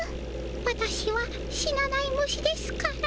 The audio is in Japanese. わたしは死なない虫ですから。